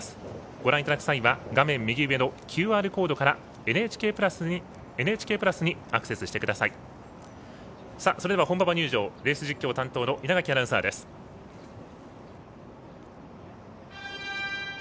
ご覧いただく際は画面右上のＱＲコードからＮＨＫプラスにアクセスしてください。